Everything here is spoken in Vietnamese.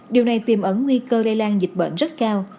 điều này tiềm ẩn nguy cơ lây lan dịch bệnh rất cao